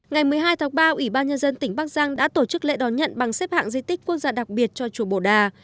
ngày một mươi hai tháng ba ủy ban nhân dân tỉnh bắc giang đã tổ chức lễ đón nhận bằng xếp hạng di tích quốc gia đặc biệt cho chùa bồ đà